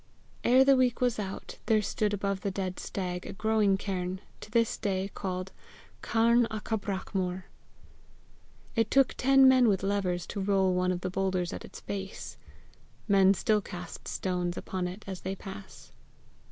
Ere the week was out, there stood above the dead stag a growing cairn, to this day called Carn a' cabrach mor. It took ten men with levers to roll one of the boulders at its base. Men still cast stones upon it as they pass.